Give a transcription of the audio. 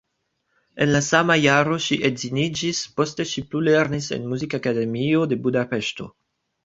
En la sama jaro ŝi edziniĝis, poste ŝi plulernis en Muzikakademio de Budapeŝto.